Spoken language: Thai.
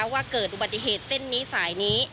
ว่าเกิดอุบัติเหตุเส้นนี้สายนี้